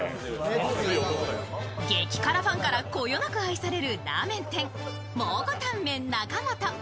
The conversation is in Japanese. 激辛ファンからこよなく愛されるラーメン店、蒙古タンメン中本。